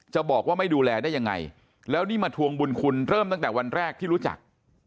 จะบอกว่าไม่ดูแลได้ยังไงแล้วนี่มาทวงบุญคุณเริ่มตั้งแต่วันแรกที่รู้จัก